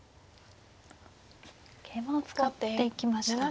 桂馬を使っていきましたね。